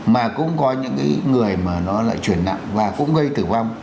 mà cũng có những người mà nó lại chuyển nặng và cũng gây tử vong